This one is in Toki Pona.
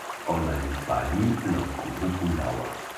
ona li pali lon kulupu lawa.